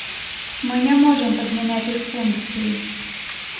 Мы не можам падмяняць іх функцыі!